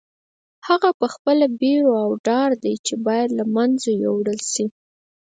هغه خپله بېره او ډار دی چې باید له منځه یوړل شي.